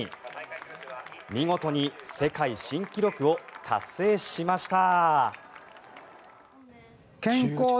見事に世界新記録を達成しました。